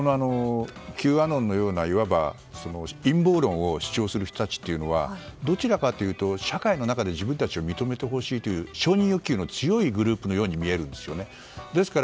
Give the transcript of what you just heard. Ｑアノンのようないわば陰謀論を主張する人たちはどちらかというと社会の中で自分たちを認めてほしいという承認欲求の強いグループのように見えるんですね。